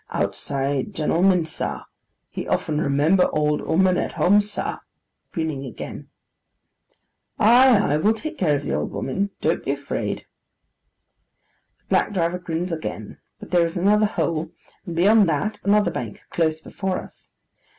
'Outside gentleman sa, he often remember old 'ooman at home sa,' grinning again. 'Ay ay, we'll take care of the old woman. Don't be afraid.' The black driver grins again, but there is another hole, and beyond that, another bank, close before us.